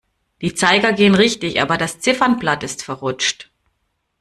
Die Zeiger gehen richtig, aber das Ziffernblatt ist verrutscht.